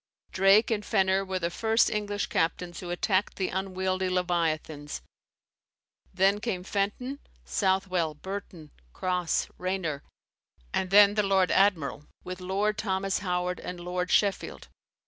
Drake and Fenner were the first English captains who attacked the unwieldy leviathans: then came Fenton, Southwell, Burton, Cross, Raynor, and then the lord admiral, with Lord Thomas Howard and Lord Sheffield.